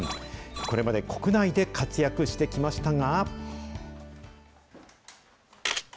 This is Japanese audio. これまで国内で活躍してきましたが。